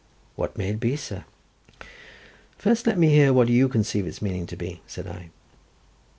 "What may it be, sir?" "First let me hear what you conceive its meaning to be," said I.